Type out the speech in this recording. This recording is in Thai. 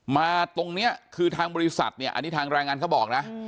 มาตรงนี้คือทางบริษัทเนี่ยอันนี้ทางแรงงานเขาบอกนะ